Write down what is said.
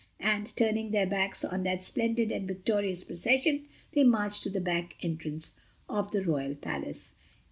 And, turning their backs on that splendid and victorious procession, they marched to the back entrance of the royal Palace.